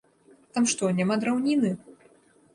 Там што, няма драўніны?